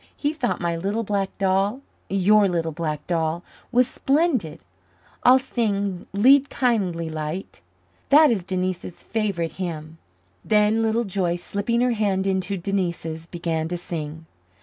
He thought my little black doll your little black doll was splendid. I'll sing 'Lead, Kindly Light.' That is Denise's favourite hymn." Then Little Joyce, slipping her hand into Denise's, began to sing.